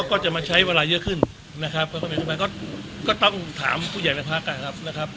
ก็จะมาใช้เวลาเยอะขึ้นนะครับก็ต้องถามผู้ใหญ่ในพักนะครับนะครับ